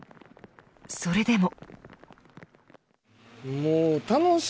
それでも。